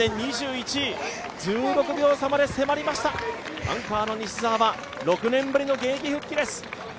１６秒差まで迫りました、アンカーの西澤は６年ぶりの現役復帰です。